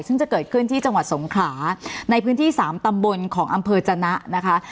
ซึ่งจะเกิดขึ้นที่จังหวัดสงขลาในพื้นที่สามตำบลของอำเภอจนะนะคะ